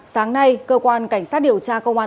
sáng nay cơ quan cảnh sát điều tra công an